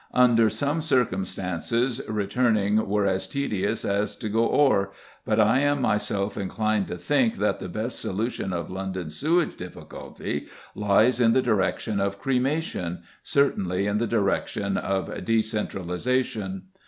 Under such circumstances "returning were as tedious as go o'er," but I am myself inclined to think that the best solution of London's sewage difficulty lies in the direction of cremation certainly in the direction of decentralisation.